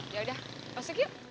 ya udah masuk yuk